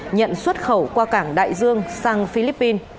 nhận xuất khẩu qua cảng đại dương sang philippines